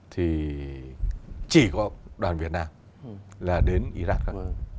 thì chỉ có đoàn việt nam là đến iraq thôi